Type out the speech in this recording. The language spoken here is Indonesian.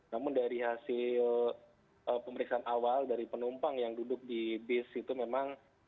namun dari hasil pemeriksaan awal dari penumpang yang duduk di bis itu memang